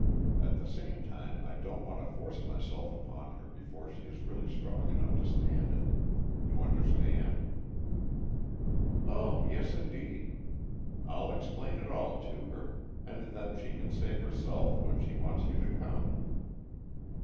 At the same time I don't want to force myself upon her before she really is strong enough to stand it. You understand?" "Oh, yes, indeed. I'll explain it all to her, and then she can say herself when she wants you to come."